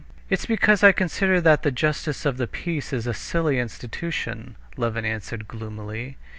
"It's because I consider that the justice of the peace is a silly institution," Levin answered gloomily.